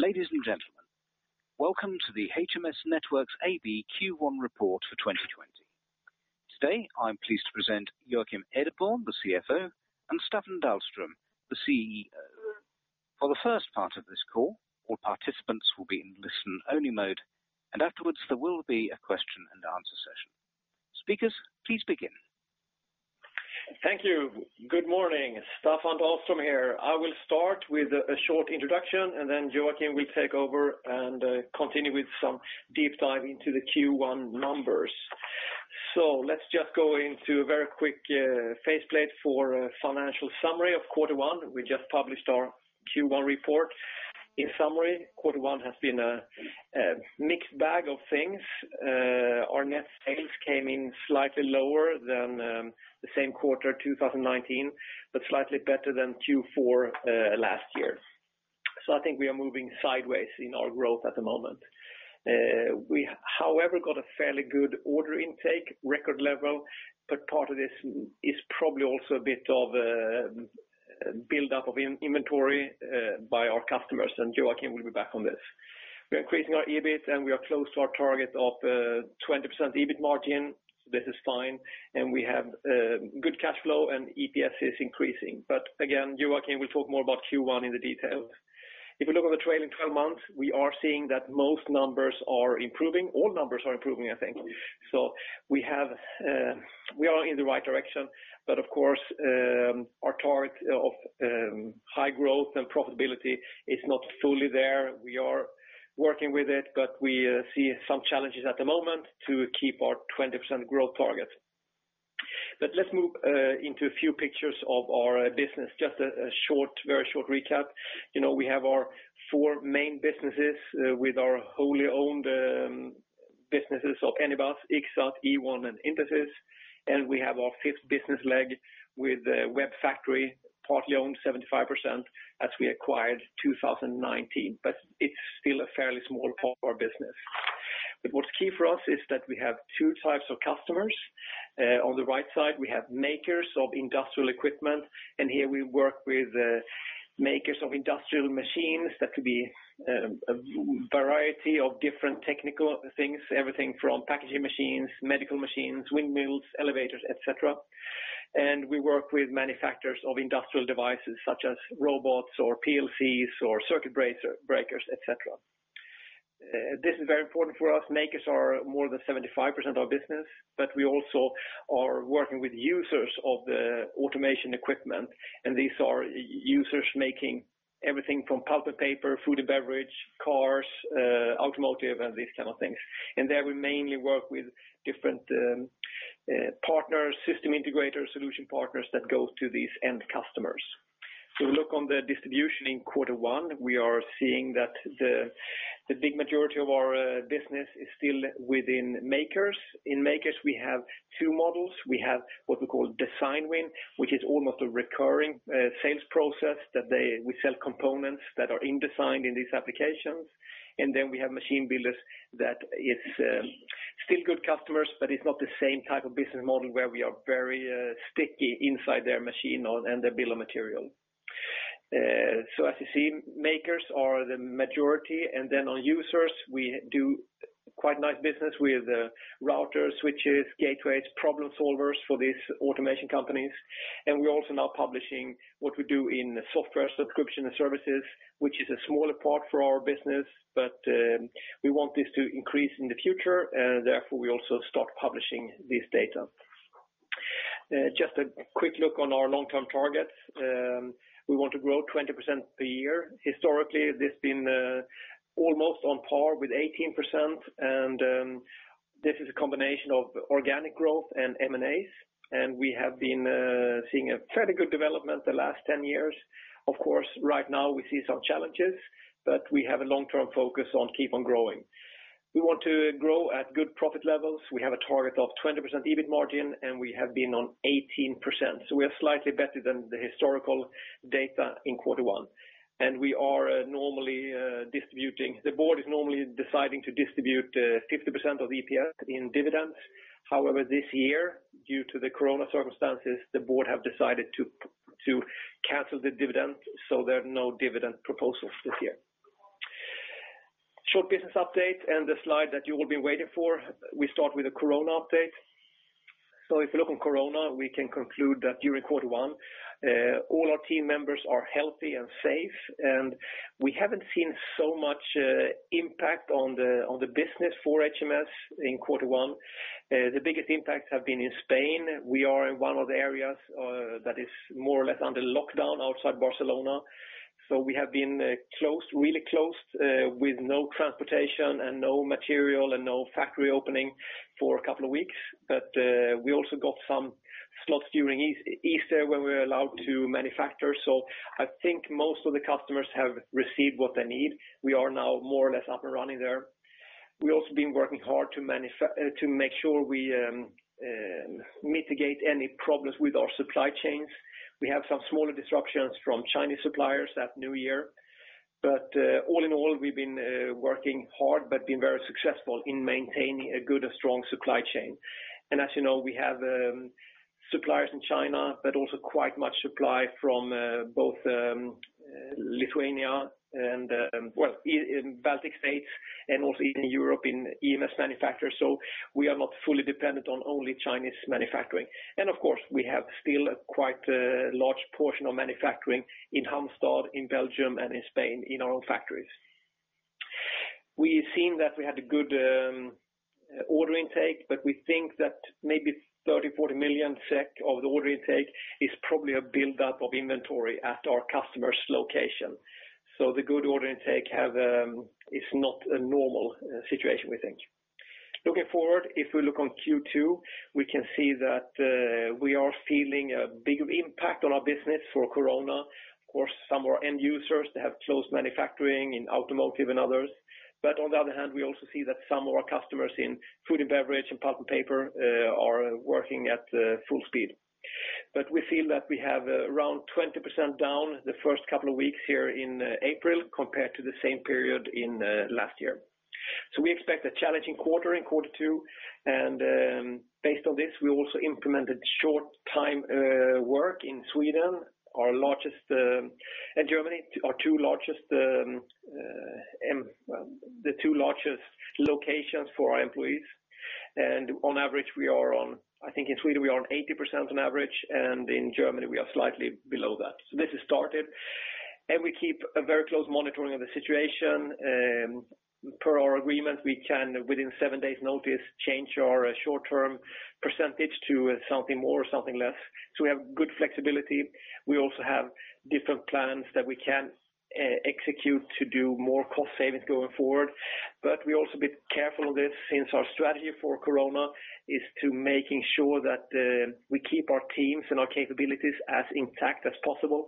Ladies and gentlemen, welcome to the HMS Networks AB Q1 report for 2020. Today, I'm pleased to present Joakim Nideborn, the CFO, and Staffan Dahlström, the CEO. For the first part of this call, all participants will be in listen-only mode, and afterwards there will be a question and answer session. Speakers, please begin. Thank you. Good morning. Staffan Dahlström here. I will start with a short introduction, and then Joakim will take over and continue with some deep dive into the Q1 numbers. Let's just go into a very quick face plate for a financial summary of Q1. We just published our Q1 report. In summary, Q1 has been a mixed bag of things. Our net sales came in slightly lower than the same quarter 2019, but slightly better than Q4 last year. I think we are moving sideways in our growth at the moment. We, however, got a fairly good order intake, record level, but part of this is probably also a bit of a buildup of inventory by our customers, and Joakim will be back on this. We are increasing our EBIT and we are close to our target of 20% EBIT margin. This is fine, we have good cash flow and EPS is increasing. Again, Joakim will talk more about Q1 in the details. If you look on the trailing 12 months, we are seeing that most numbers are improving. All numbers are improving, I think. We are in the right direction, of course, our target of high growth and profitability is not fully there. We are working with it, we see some challenges at the moment to keep our 20% growth target. Let's move into a few pictures of our business. Just a very short recap. We have our four main businesses with our wholly owned businesses of Anybus, Ixxat, Ewon, and Intesis, we have our fifth business leg with WEBfactory, partly owned 75% as we acquired 2019. It's still a fairly small part of our business. What's key for us is that we have two types of customers. On the right side, we have makers of industrial equipment, and here we work with makers of industrial machines. That could be a variety of different technical things, everything from packaging machines, medical machines, windmills, elevators, et cetera. We work with manufacturers of industrial devices such as robots or PLCs or circuit breakers, et cetera. This is very important for us. Makers are more than 75% of our business, but we also are working with users of the automation equipment, and these are users making everything from pulp and paper, food and beverage, cars, automotive, and these type of things. There we mainly work with different partners, system integrators, solution partners that go to these end customers. If you look on the distribution in quarter one, we are seeing that the big majority of our business is still within makers. In makers, we have two models. We have what we call design win, which is almost a recurring sales process that we sell components that are in design in these applications. Then we have machine builders that it's still good customers, but it's not the same type of business model where we are very sticky inside their machine and their bill of material. As you see, makers are the majority, then on users, we do quite nice business with routers, switches, gateways, problem solvers for these automation companies. We're also now publishing what we do in software subscription and services, which is a smaller part for our business. We want this to increase in the future, and therefore we also start publishing this data. Just a quick look on our long-term targets. We want to grow 20% per year. Historically, this has been almost on par with 18%, and this is a combination of organic growth and M&As, and we have been seeing a fairly good development the last 10 years. Of course, right now we see some challenges, we have a long-term focus on keep on growing. We want to grow at good profit levels. We have a target of 20% EBIT margin, and we have been on 18%. We are slightly better than the historical data in Q1. The board is normally deciding to distribute 50% of EPS in dividends. This year, due to the Corona circumstances, the board have decided to cancel the dividend. There are no dividend proposals this year. Short business update and the slide that you've all been waiting for. We start with a Corona update. If you look on Corona, we can conclude that during Q1, all our team members are healthy and safe, and we haven't seen so much impact on the business for HMS in Q1. The biggest impacts have been in Spain. We are in one of the areas that is more or less under lockdown outside Barcelona. We have been really closed, with no transportation and no material and no factory opening for a couple of weeks. We also got some slots during Easter when we were allowed to manufacture. I think most of the customers have received what they need. We are now more or less up and running there. We also been working hard to make sure we mitigate any problems with our supply chains. We have some smaller disruptions from Chinese suppliers at New Year. All in all, we've been working hard but been very successful in maintaining a good strong supply chain. As you know, we have suppliers in China, but also quite much supply from both Lithuania and well, in Baltic states and also in Europe in EMS manufacturers. We are not fully dependent on only Chinese manufacturing. Of course, we have still a quite large portion of manufacturing in Halmstad, in Belgium, and in Spain, in our own factories. We've seen that we had a good order intake, but we think that maybe 30, 40 million SEK of the order intake is probably a buildup of inventory at our customer's location. The good order intake is not a normal situation, we think. Looking forward, if we look on Q2, we can see that we are feeling a bigger impact on our business for Corona. Of course, some of our end users have closed manufacturing in automotive and others. On the other hand, we also see that some of our customers in food and beverage and pulp and paper are working at full speed. We feel that we have around 20% down the first couple of weeks here in April, compared to the same period in last year. We expect a challenging quarter in quarter two, and based on this, we also implemented short-time work in Sweden and Germany, the two largest locations for our employees. On average, I think in Sweden, we are on 80% on average, and in Germany, we are slightly below that. This has started, and we keep a very close monitoring of the situation. Per our agreement, we can, within seven days notice, change our short term percentage to something more or something less. We have good flexibility. We also have different plans that we can execute to do more cost savings going forward. We're also a bit careful on this since our strategy for Corona is to making sure that we keep our teams and our capabilities as intact as possible,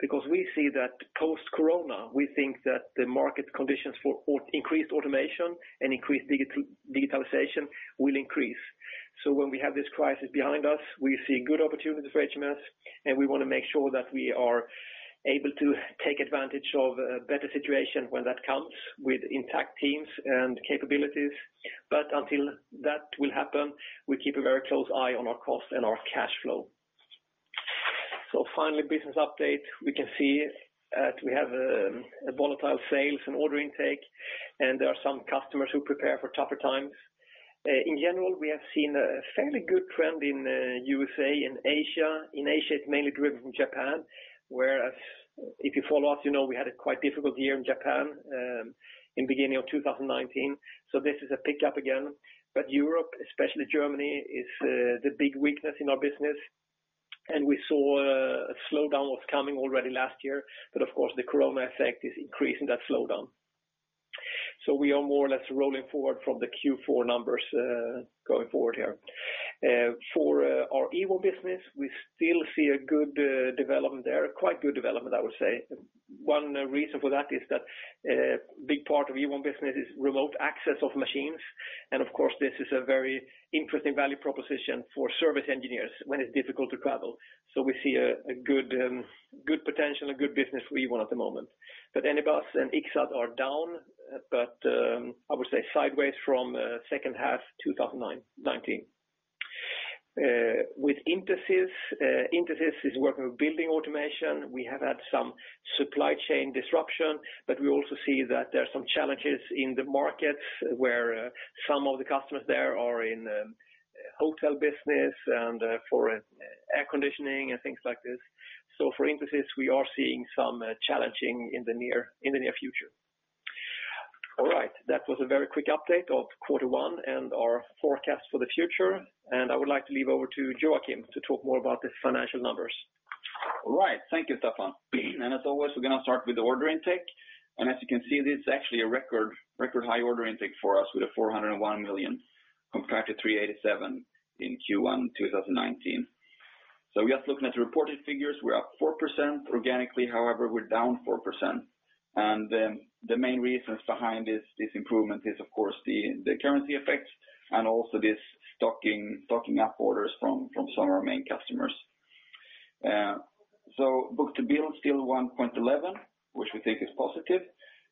because we see that post-Corona, we think that the market conditions for increased automation and increased digitalization will increase. When we have this crisis behind us, we see good opportunities for HMS, and we want to make sure that we are able to take advantage of a better situation when that comes with intact teams and capabilities. Until that will happen, we keep a very close eye on our cost and our cash flow. Finally, business update. We can see that we have volatile sales and order intake, and there are some customers who prepare for tougher times. In general, we have seen a fairly good trend in U.S.A. and Asia. In Asia, it's mainly driven from Japan, whereas if you follow us, you know we had a quite difficult year in Japan in beginning of 2019. This is a pickup again. Europe, especially Germany, is the big weakness in our business, and we saw a slowdown was coming already last year. Of course, the Corona effect is increasing that slowdown. We are more or less rolling forward from the Q4 numbers going forward here. For our Ewon business, we still see a good development there. Quite good development, I would say. One reason for that is that a big part of Ewon business is remote access of machines, and of course, this is a very interesting value proposition for service engineers when it's difficult to travel. We see a good potential and good business for Ewon at the moment. Anybus and Ixxat are down, but I would say sideways from second half 2019. With Intesis is working with building automation. We have had some supply chain disruption, but we also see that there are some challenges in the markets where some of the customers there are in hotel business and for air conditioning and things like this. For Intesis, we are seeing some challenges in the near future. All right. That was a very quick update of quarter one and our forecast for the future, and I would like to leave over to Joakim to talk more about these financial numbers. As always, we're going to start with the order intake, and as you can see, this is actually a record high order intake for us with 401 million compared to 387 in Q1 2019. We are looking at the reported figures. We're up 4%. Organically, however, we're down 4%. The main reasons behind this improvement is, of course, the currency effects and also this stocking up orders from some of our main customers. Book-to-bill is still 1.11, which we think is positive.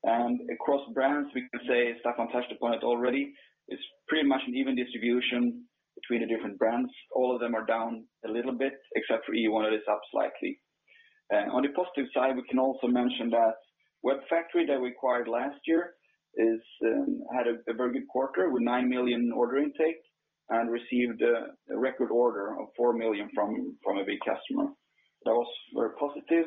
Across brands, we can say, Staffan touched upon it already, it's pretty much an even distribution between the different brands. All of them are down a little bit, except for Ewon that is up slightly. On the positive side, we can also mention that WEBfactory that we acquired last year had a very good quarter with 9 million order intake and received a record order of 4 million from a big customer. That was very positive.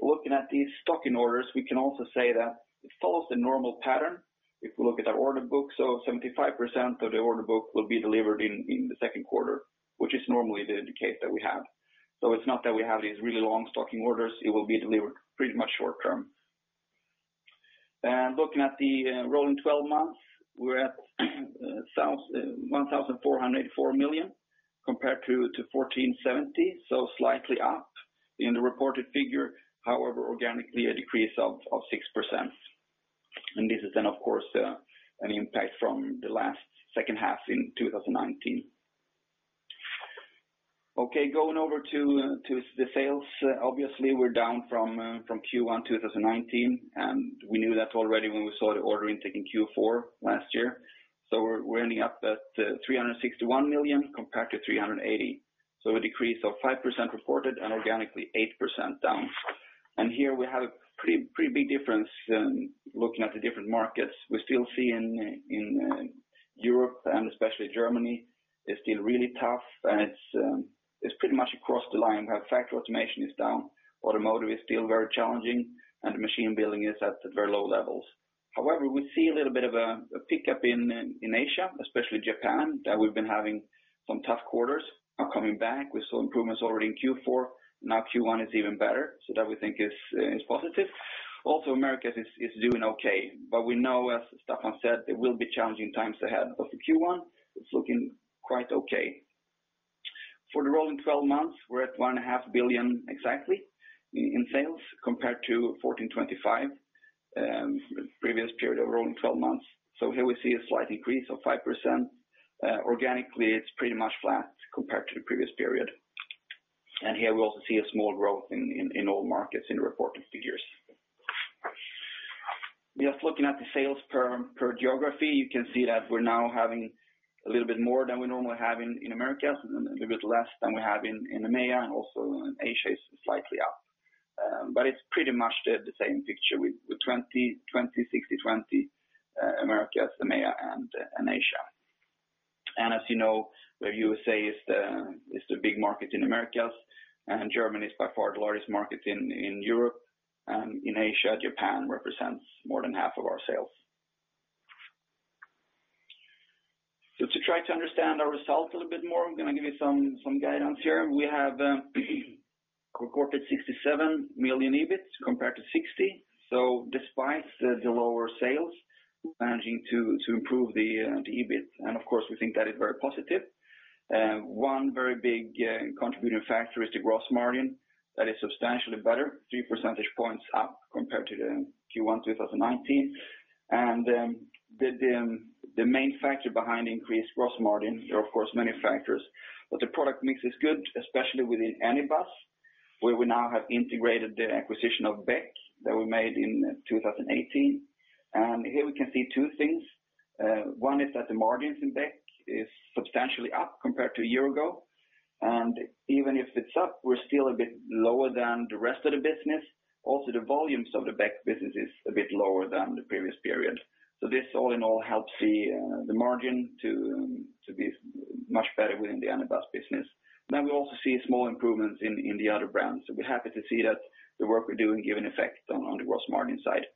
Looking at these stocking orders, we can also say that it follows the normal pattern. If we look at our order book, so 75% of the order book will be delivered in the second quarter, which is normally the case that we have. It's not that we have these really long stocking orders. It will be delivered pretty much short term. Looking at the rolling 12 months, we're at 1,484 million compared to 1,470 million, so slightly up in the reported figure. However, organically, a decrease of 6%. This is then, of course, an impact from the last second half in 2019. Okay, going over to the sales. Obviously, we're down from Q1 2019, and we knew that already when we saw the order intake in Q4 last year. We're ending up at 361 million compared to 380 million. A decrease of 5% reported and organically 8% down. Here we have a pretty big difference looking at the different markets. We still see in Europe and especially Germany, it's still really tough and it's pretty much across the line. We have factory automation is down, automotive is still very challenging, and machine building is at very low levels. However, we see a little bit of a pickup in Asia, especially Japan, that we've been having some tough quarters are coming back. We saw improvements already in Q4, now Q1 is even better. That we think is positive. Also, Americas is doing okay. We know, as Staffan said, it will be challenging times ahead, but the Q1 is looking quite okay. For the rolling 12 months, we're at 1.5 billion exactly in sales compared to 1,425, previous period of rolling 12 months. Here we see a slight increase of 5%. Organically, it's pretty much flat compared to the previous period. Here we also see a small growth in all markets in the reported figures. Just looking at the sales per geography, you can see that we're now having a little bit more than we normally have in Americas, and a little bit less than we have in EMEA, and also Asia is slightly up. It's pretty much the same picture with 20/60/20, Americas, EMEA, and Asia. As you know, the USA is the big market in Americas, and Germany is by far the largest market in Europe. In Asia, Japan represents more than half of our sales. To try to understand our results a little bit more, I'm going to give you some guidance here. We have recorded 67 million EBIT compared to 60 million. Despite the lower sales, we're managing to improve the EBIT, and of course, we think that is very positive. One very big contributing factor is the gross margin that is substantially better, three percentage points up compared to the Q1 2019. The main factor behind increased gross margin, there are of course many factors, but the product mix is good, especially within Anybus, where we now have integrated the acquisition of Beck that we made in 2018. Here we can see two things. One is that the margins in Beck is substantially up compared to a year ago. Even if it's up, we're still a bit lower than the rest of the business. Also, the volumes of the Beck business is a bit lower than the previous period. This all in all helps the margin to be much better within the Anybus business. We also see small improvements in the other brands. We're happy to see that the work we're doing giving effect on the gross margin side.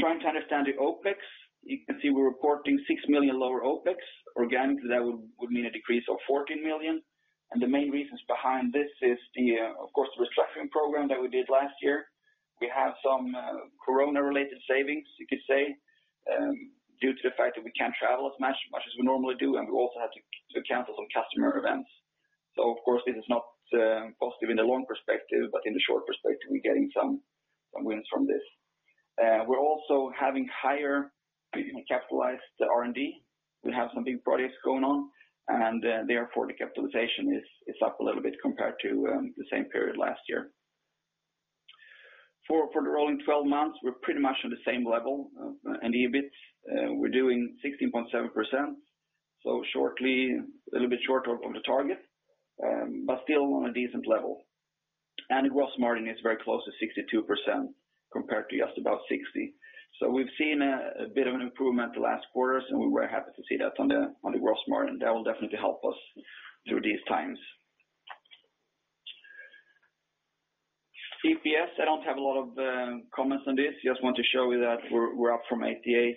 Trying to understand the OpEx, you can see we're reporting 6 million lower OpEx. Organically, that would mean a decrease of 14 million. The main reasons behind this is the, of course, restructuring program that we did last year. We have some Corona related savings, you could say, due to the fact that we can't travel as much as we normally do, and we also had to cancel some customer events. Of course, this is not positive in the long perspective, but in the short perspective, we're getting some wins from this. We're also having higher capitalized R&D. We have some big projects going on, and therefore the capitalization is up a little bit compared to the same period last year. For the rolling 12 months, we're pretty much on the same level. EBIT, we're doing 16.7%. A little bit short of the target, but still on a decent level. Gross margin is very close to 62% compared to just about 60. We've seen a bit of an improvement the last quarters, and we were happy to see that on the gross margin. That will definitely help us through these times. EPS, I don't have a lot of comments on this. Just want to show you that we're up from 0.88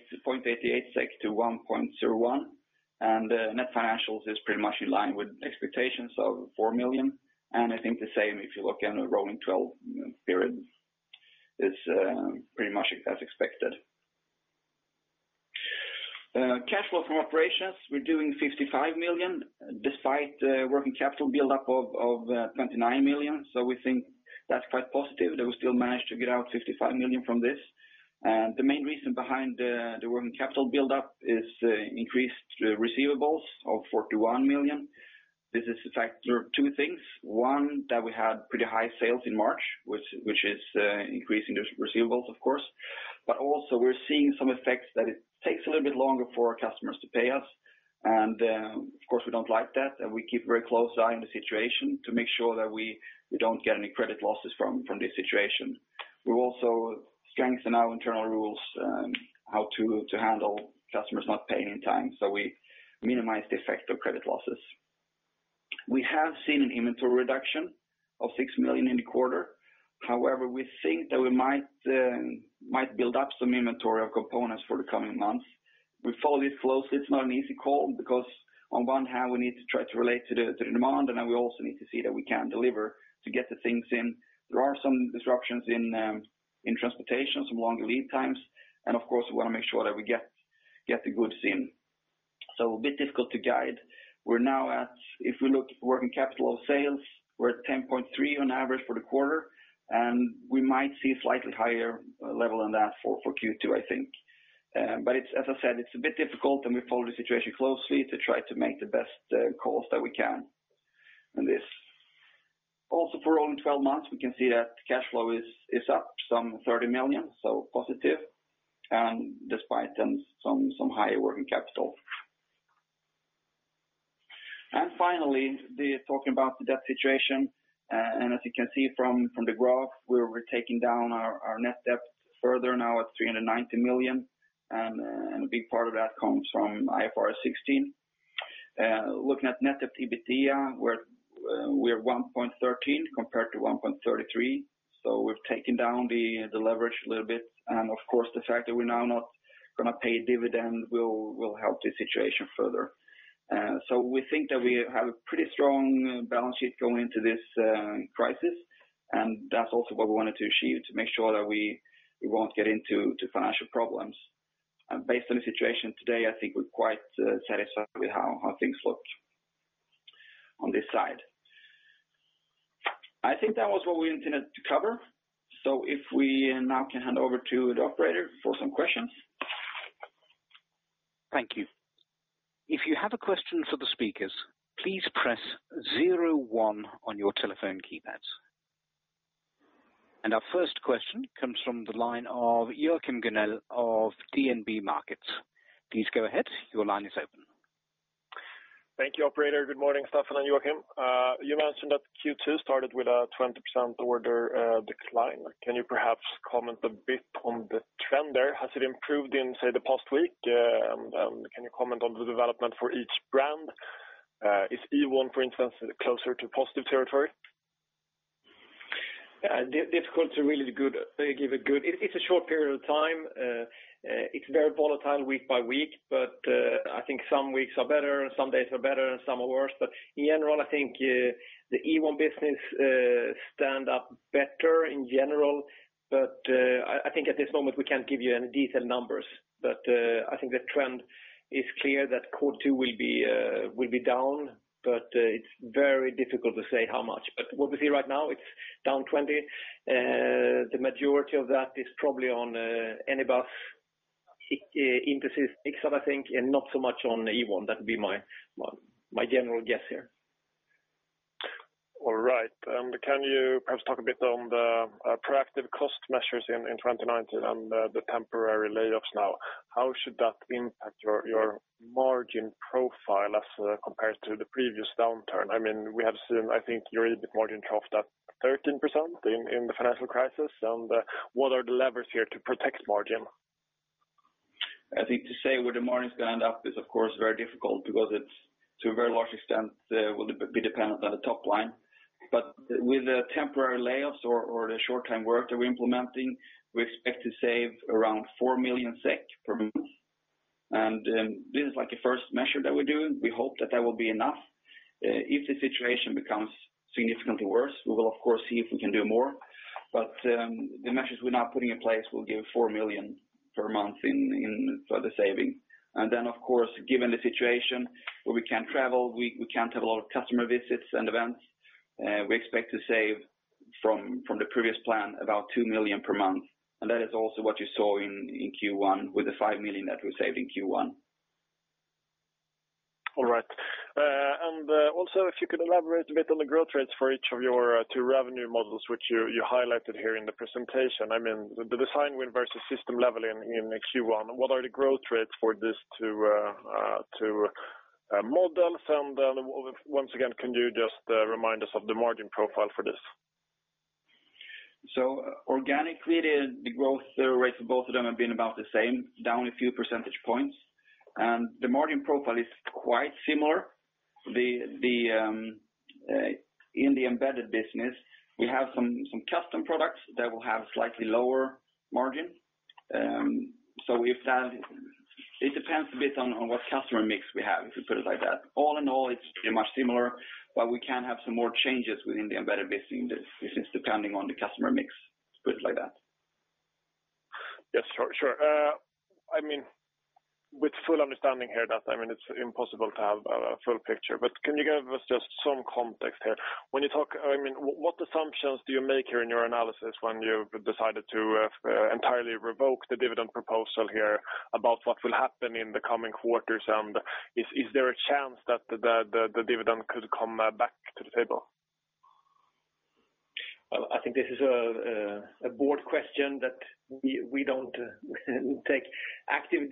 SEK to 1.01. Net financials is pretty much in line with expectations of 4 million. I think the same if you look in a rolling 12 period, it's pretty much as expected. Cash flow from operations, we're doing 55 million despite working capital buildup of 29 million. We think that's quite positive that we still managed to get out 55 million from this. The main reason behind the working capital buildup is increased receivables of 41 million. This is a factor of two things. One, that we had pretty high sales in March, which is increasing the receivables, of course. Also we're seeing some effects that it takes a little bit longer for our customers to pay us. Of course, we don't like that, and we keep very close eye on the situation to make sure that we don't get any credit losses from this situation. We've also strengthened our internal rules how to handle customers not paying in time. We minimize the effect of credit losses. We have seen an inventory reduction of 6 million in the quarter. We think that we might build up some inventory of components for the coming months. We follow this closely. It's not an easy call because on one hand, we need to try to relate to the demand, and then we also need to see that we can deliver to get the things in. There are some disruptions in transportation, some longer lead times. Of course, we want to make sure that we get the goods in. A bit difficult to guide. We're now at, if we look working capital of sales, we're at 10.3% on average for the quarter, and we might see slightly higher level than that for Q2, I think. As I said, it's a bit difficult, and we follow the situation closely to try to make the best calls that we can on this. For only 12 months, we can see that cash flow is up some 30 million, positive. Despite some higher working capital. Finally, talking about the debt situation, as you can see from the graph, we're taking down our net debt further now at 390 million, a big part of that comes from IFRS 16. Looking at net debt EBITDA, we are 1.13 compared to 1.33. We've taken down the leverage a little bit. Of course, the fact that we're now not going to pay a dividend will help the situation further. We think that we have a pretty strong balance sheet going into this crisis. That's also what we wanted to achieve to make sure that we won't get into financial problems. Based on the situation today, I think we're quite satisfied with how things look on this side. I think that was what we intended to cover. If we now can hand over to the operator for some questions. Thank you. If you have a question for the speakers, please press zero one on your telephone keypads. Our first question comes from the line of Joachim Gunell of DNB Markets. Please go ahead. Your line is open. Thank you, operator. Good morning, Staffan and Joakim. You mentioned that Q2 started with a 20% order decline. Can you perhaps comment a bit on the trend there? Has it improved in, say, the past week? Can you comment on the development for each brand? Is Ewon, for instance, closer to positive territory? It's difficult to really give. It's a short period of time. It's very volatile week by week. I think some weeks are better and some days are better and some are worse. In general, I think the Ewon business stand up better in general. I think at this moment, we can't give you any detailed numbers. I think the trend is clear that Q2 will be down, but it's very difficult to say how much. What we see right now, it's down 20%. The majority of that is probably on Anybus, Intesis mix up, I think, and not so much on Ewon. That would be my general guess here. Can you perhaps talk a bit on the proactive cost measures in 2019 and the temporary layoffs now? How should that impact your margin profile as compared to the previous downturn? We have seen, I think your EBIT margin topped at 13% in the financial crisis. What are the levers here to protect margin? I think to say where the margin is going to end up is of course very difficult because it, to a very large extent, will be dependent on the top line. With the temporary layoffs or the short-time work that we're implementing, we expect to save around 4 million SEK per month. This is like a first measure that we're doing. We hope that that will be enough. If the situation becomes significantly worse, we will of course see if we can do more. The measures we're now putting in place will give 4 million SEK per month in further saving. Of course, given the situation where we can't travel, we can't have a lot of customer visits and events. We expect to save from the previous plan about 2 million SEK per month. That is also what you saw in Q1 with the 5 million that we saved in Q1. All right. Also if you could elaborate a bit on the growth rates for each of your two revenue models, which you highlighted here in the presentation. The design win versus system level in Q1. What are the growth rates for these two models? Once again, can you just remind us of the margin profile for this? Organically, the growth rates of both of them have been about the same, down a few percentage points. The margin profile is quite similar. In the embedded business, we have some custom products that will have slightly lower margin. It depends a bit on what customer mix we have, if you put it like that. All in all, it's pretty much similar, but we can have some more changes within the embedded business depending on the customer mix, put it like that. Yes, sure. With full understanding here that it's impossible to have a full picture, but can you give us just some context here? What assumptions do you make here in your analysis when you decided to entirely revoke the dividend proposal here about what will happen in the coming quarters? Is there a chance that the dividend could come back to the table? I think this is a board question that we don't take active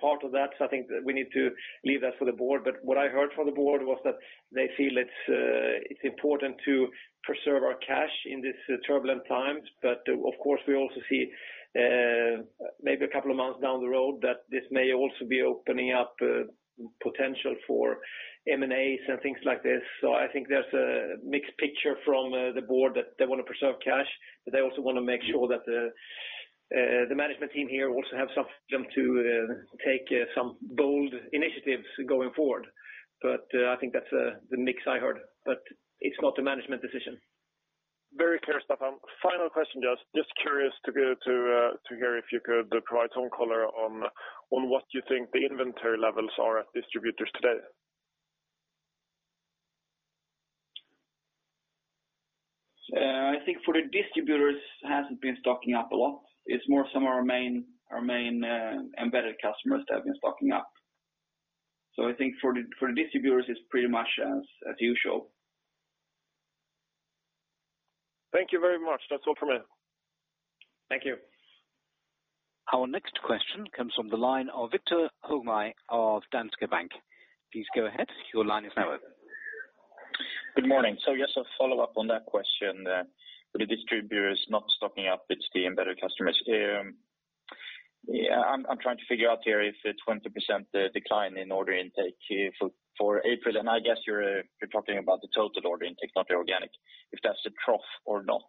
part of that. I think we need to leave that for the board. What I heard from the board was that they feel it's important to preserve our cash in these turbulent times. Of course, we also see maybe a couple of months down the road that this may also be opening up potential for M&A and things like this. I think there's a mixed picture from the board that they want to preserve cash, but they also want to make sure that the management team here also have some freedom to take some bold initiatives going forward. I think that's the mix I heard. It's not a management decision. Very clear, Staffan. Final question, just curious to hear if you could provide some color on what you think the inventory levels are at distributors today? I think for the distributors, it hasn't been stocking up a lot. It's more some of our main embedded customers that have been stocking up. I think for the distributors, it's pretty much as usual. Thank you very much. That's all from me. Thank you. Our next question comes from the line of Viktor Högberg of Danske Bank. Please go ahead. Your line is now open. Good morning. Just a follow-up on that question. The distributors not stocking up, it's the embedded customers. I'm trying to figure out here if the 20% decline in order intake for April, and I guess you're talking about the total order intake, not the organic, if that's the trough or not.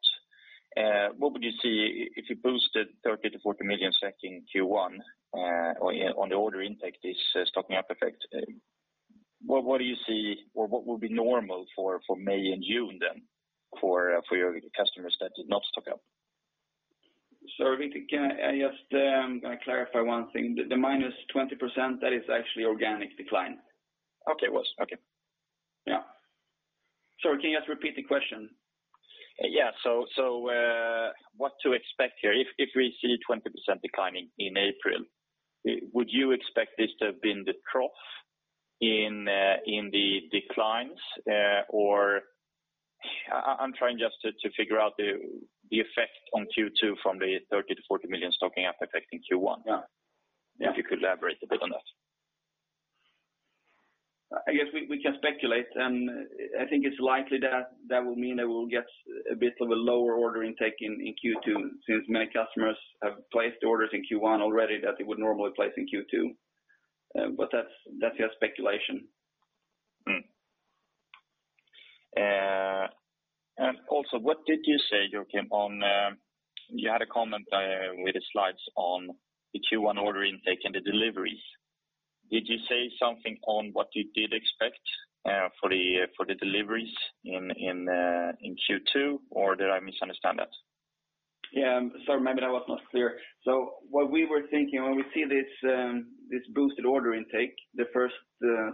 What would you see if you boosted 30 million to 40 million in Q1 on the order intake, this stocking up effect? What do you see or what would be normal for May and June then for your customers that did not stock up? Sorry, Viktor, can I just clarify one thing? The minus 20%, that is actually organic decline. Okay. Yeah. Sorry, can you just repeat the question? Yeah. What to expect here, if we see 20% declining in April, would you expect this to have been the trough in the declines? Or I'm trying just to figure out the effect on Q2 from the 30 million-40 million stocking up effect in Q1. Yeah. If you could elaborate a bit on that. I guess we can speculate. I think it's likely that will mean that we'll get a bit of a lower order intake in Q2, since many customers have placed orders in Q1 already that they would normally place in Q2. That's just speculation. Also, what did you say, Joakim? You had a comment with the slides on the Q1 order intake and the deliveries. Did you say something on what you did expect for the deliveries in Q2, or did I misunderstand that? Sorry, maybe that was not clear. What we were thinking, when we see this boosted order intake, the first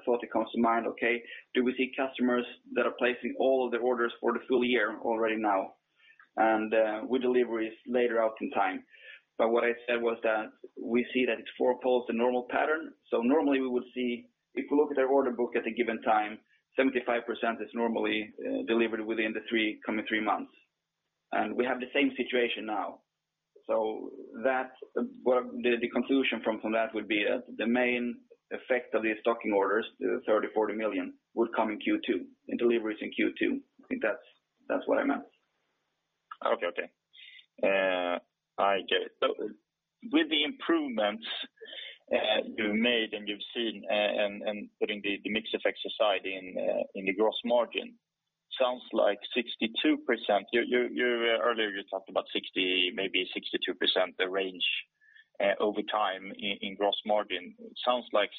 thought that comes to mind, okay, do we see customers that are placing all of their orders for the full year already now, and with deliveries later out in time? What I said was that we see that it fourfolds the normal pattern. Normally we would see if we look at our order book at a given time, 75% is normally delivered within the coming three months. We have the same situation now. The conclusion from that would be that the main effect of these stocking orders, the 30 million-40 million, would come in Q2, in deliveries in Q2. I think that's what I meant. Okay. I get it. With the improvements you've made and you've seen, and putting the mix effects aside in the gross margin, sounds like 62%. Earlier you talked about 60%, maybe 62% range over time in gross margin. Sounds like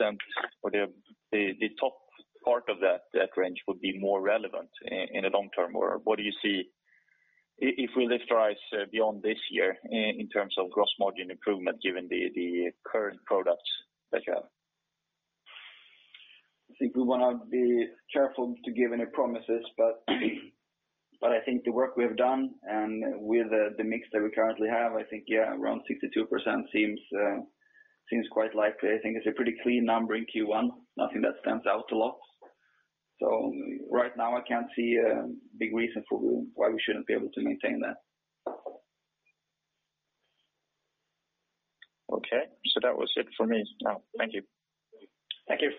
62% or the top part of that range would be more relevant in the long term, or what do you see if we lift our eyes beyond this year in terms of gross margin improvement, given the current products that you have? I think we want to be careful to give any promises, but I think the work we have done and with the mix that we currently have, I think, yeah, around 62% seems quite likely. I think it's a pretty clean number in Q1, nothing that stands out a lot. Right now I can't see a big reason for why we shouldn't be able to maintain that. Okay. That was it for me. Thank you. Thank you.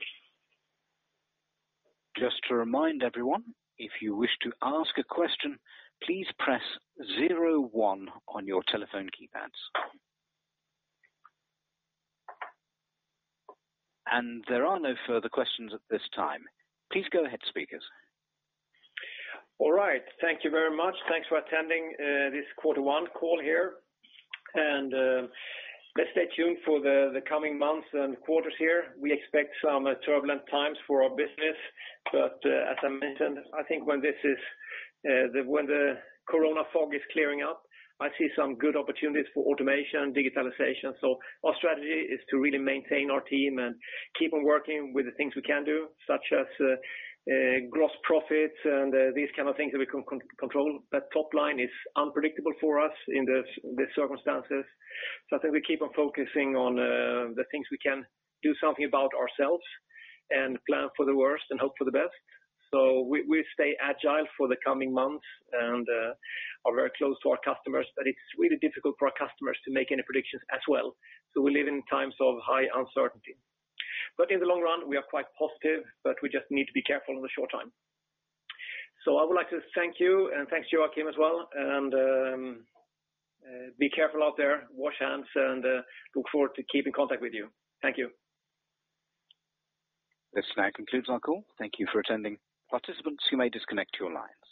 Just to remind everyone, if you wish to ask a question, please press 01 on your telephone keypads. There are no further questions at this time. Please go ahead, speakers. All right. Thank you very much. Thanks for attending this quarter one call here. Let's stay tuned for the coming months and quarters here. We expect some turbulent times for our business. As I mentioned, I think when the Corona fog is clearing up, I see some good opportunities for automation, digitalization. Our strategy is to really maintain our team and keep on working with the things we can do, such as gross profit and these kind of things that we can control. Top line is unpredictable for us in the circumstances. I think we keep on focusing on the things we can do something about ourselves and plan for the worst and hope for the best. We stay agile for the coming months and are very close to our customers. It's really difficult for our customers to make any predictions as well. We live in times of high uncertainty. In the long run, we are quite positive, but we just need to be careful in the short time. I would like to thank you, and thank Joakim as well. Be careful out there, wash hands, and look forward to keep in contact with you. Thank you. This now concludes our call. Thank you for attending. Participants, you may disconnect your lines.